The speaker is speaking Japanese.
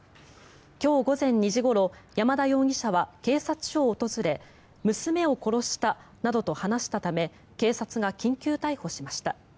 今日午前２時ごろ山田容疑者は警察署を訪れ娘を殺したなどと話したため警察が緊急逮捕しました。